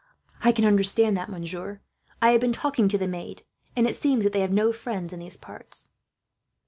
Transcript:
"I can understand that, monsieur. I have been talking to the maid, and it seems that they have no friends in these parts."